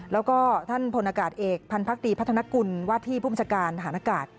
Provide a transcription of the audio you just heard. แล้วก็ท่านพลอากาศเอกพันภักดีพัฒนกุลวาที่ภูมิชการหารอากาศ